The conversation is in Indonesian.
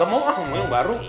enggak mau ah mau yang baru